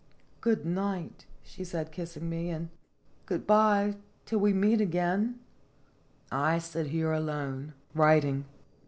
" Good night," she said, kissing me, "and good by till we meet again." 1 sit here alone, writing.